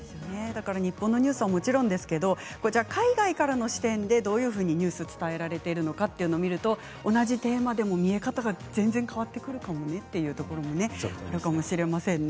日本のニュースはもちろんですけれども海外からの視点でどういうふうにニュースが伝えられているのかというのを見ると同じテーマでも見え方が全然違ってくるかもしれませんね。